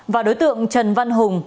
và đối tượng trần văn hùng